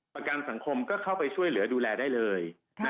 ประกันสังคมก็เข้าไปช่วยเหลือดูแลได้เลย